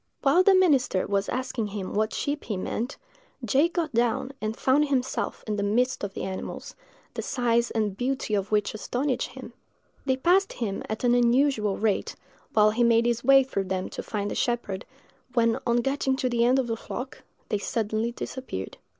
While the minister was asking him what sheep he meant, J—— got down and found himself in the midst of the animals, the size and beauty of which astonished him. They passed him at an unusual rate, while he made his way through them to find the shepherd, when, on getting to the end of the flock, they suddenly disappeared.